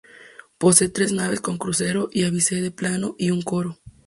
Posee tres naves con crucero y ábside plano, y un coro.